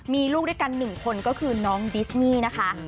มีลูกด้วยกัน๑คนก็คือน้องดิสมี่นะคะ